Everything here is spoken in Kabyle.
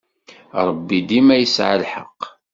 Ṛebbi dima yesɛa lḥeqq.